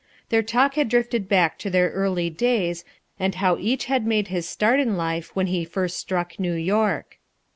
Their talk had drifted back to their early days and how each had made his start in life when he first struck New York.